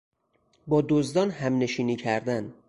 با دزدان همنشینی کردن